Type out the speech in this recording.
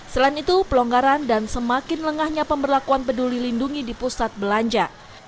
selain itu pelonggaran dan semakin lengahnya pemberlakuan peduli lindungi di pusat belanja